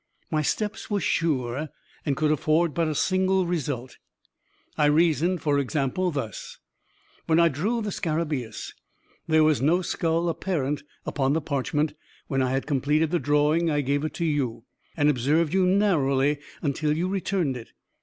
My steps were sure, and could afford but a single result I reasoned, for example, thus: When I drew the scarabaeus, there was no skull apparent upon the parchment When I had completed the drawing I gave it to you, and observed you narrowly until you returned it.